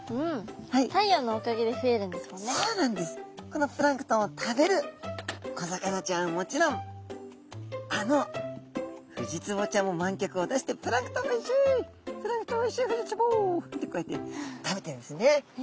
このプランクトンを食べる小魚ちゃんはもちろんあのフジツボちゃんも蔓脚を出して「プランクトンおいしいプランクトンおいしいフジツボ」ってこうやって食べてるんですよね。